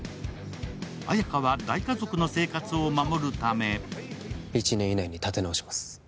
綾華は大家族の生活を守るため１年以内に立て直します。